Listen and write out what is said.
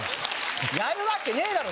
やるわけねえだろ